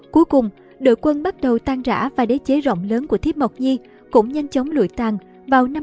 cuối cùng đội quân bắt đầu tan rã và đế chế rộng lớn của thiếp mộc nhi cũng nhanh chóng lùi tan vào năm một nghìn năm trăm linh bảy